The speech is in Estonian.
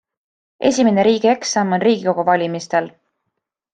Esimene riigieksam on riigikogu valimistel.